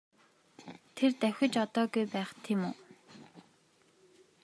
Тэр давхиж одоогүй байх тийм үү?